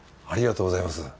ありがとうございます。